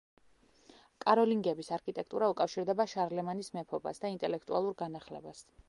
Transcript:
კაროლინგების არქიტექტურა უკავშირდება შარლემანის მეფობას და ინტელექტუალურ განახლებას.